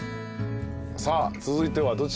さあ続いてはどちらに？